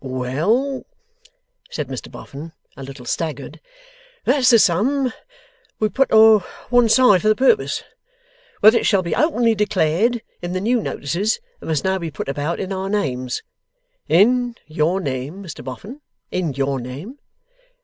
'Well,' said Mr Boffin, a little staggered, 'that's the sum we put o' one side for the purpose. Whether it shall be openly declared in the new notices that must now be put about in our names ' 'In your name, Mr Boffin; in your name.